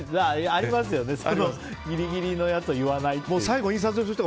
ありますよね、ギリギリのやつ言わないっていう。